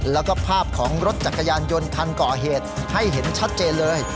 แล้วก็ภาพของรถจักรยานยนต์คันก่อเหตุให้เห็นชัดเจนเลย